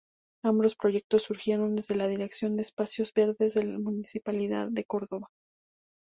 Ambos proyectos surgieron desde la Dirección de Espacios Verdes de la Municipalidad de Córdoba.